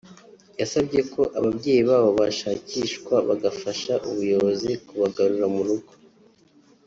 yasabye ko ababyeyi babo bashakishwa bagafasha ubuyobozi kubagarura mu rugo